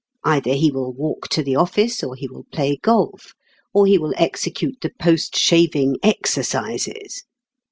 Either he will walk to the office, or he will play golf, or he will execute the post shaving exercises.